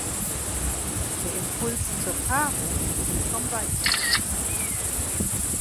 Der Impuls zur Paarung geht vom Weibchen aus.